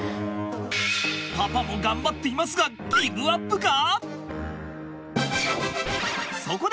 パパも頑張っていますがギブアップか？